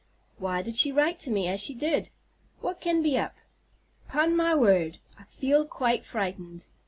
Why did she write to me as she did? What can be up? 'Pon my word! I feel quite frightened.